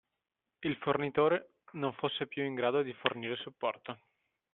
Il fornitore non fosse più in grado di fornire supporto.